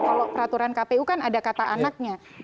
kalau peraturan kpu kan ada kata anaknya